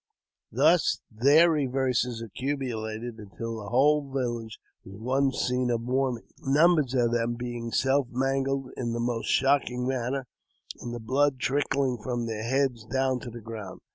Thus their reverses accumu lated until the whole village was one scene of mourning, numbers of them being self mangled in the most shocking manner, and the blood trickling from their heads down to the ground.